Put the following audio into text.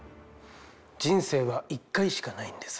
人生は一回しかないんです。